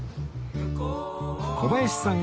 小林さん